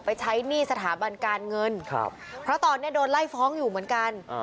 ใช้หนี้สถาบันการเงินครับเพราะตอนนี้โดนไล่ฟ้องอยู่เหมือนกัน